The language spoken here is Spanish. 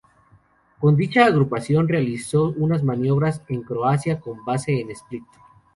Con dicha agrupación, realizó unas maniobras en Croacia con base en Split.